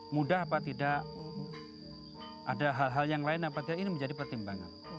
mudah apa tidak ada hal hal yang lain apa tidak ini menjadi pertimbangan